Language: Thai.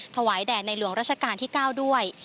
ถวายแด่ในหลวงราชการที่๙ด้วย